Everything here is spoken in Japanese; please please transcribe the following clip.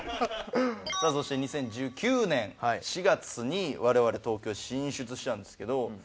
さあそして２０１９年４月に我々東京進出したんですけど。